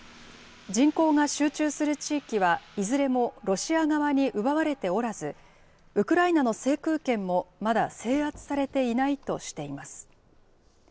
人口が集中する地域は、いずれもロシア側に奪われておらず、ウクライナの制空権もまだ制圧されていないとしています。